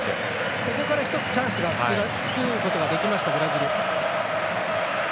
そこからチャンスを一つ、作ることができましたブラジル。